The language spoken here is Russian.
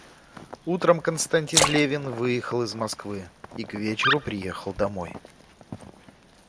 Утром Константин Левин выехал из Москвы и к вечеру приехал домой.